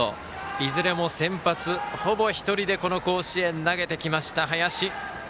いずれも先発、ほぼ１人でこの甲子園、投げてきました、林。